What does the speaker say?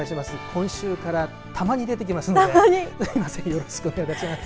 今週からたまに出てきますのでよろしくお願いいたします。